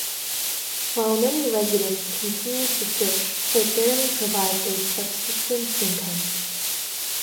While many residents continue to fish, it barely provides a subsistence income.